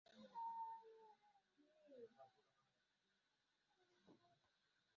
বাংলাদেশের আদিবাসীদের হোলি উৎসব এই গানের মূল উপজীব্য।